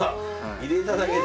入れただけで。